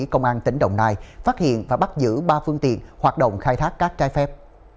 công an tỉnh đồng nai phát hiện và bắt giữ ba phương tiện hoạt động khai thác cát trái phép